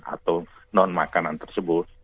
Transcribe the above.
atau non makanan tersebut